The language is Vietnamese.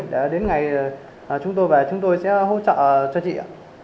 để đến ngày chúng tôi về chúng tôi sẽ hỗ trợ cho chị ạ